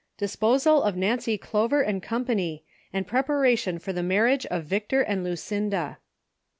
DISPOSAL OF XANCY CLOVER AXD COMPANY, AND PRE rAUATION FOR THE 31ARRIAGE OF VICTOR AND LUCIXDA.